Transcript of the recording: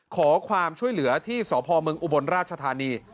ขอความช่วยเหลือที่สพเมืองอุบลราชธานี